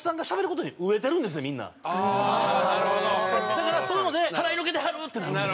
だからそういうので払いのけてはるってなるんです。